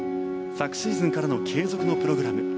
昨シーズンからの継続のプログラム